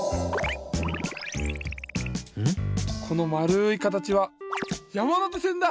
このまるいかたちはやまのてせんだ！